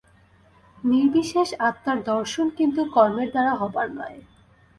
নির্বিশেষ আত্মার দর্শন কিন্তু কর্মের দ্বারা হবার নয়।